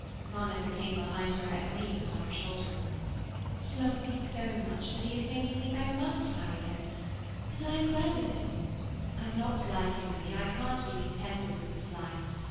Monica came behind her, and leaned upon her shoulder. "He loves me so much that he has made me think I must marry him. And I am glad of it. I'm not like you, Milly; I can't be contented with this life.